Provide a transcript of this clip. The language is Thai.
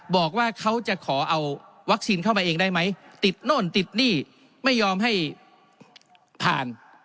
บอกว่าเขาจะขอเอาวัคซีนเข้ามาเองได้ไหมติดโน่นติดหนี้ไม่ยอมให้ผ่าน